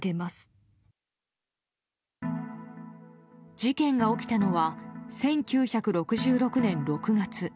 事件が起きたのは１９６６年６月。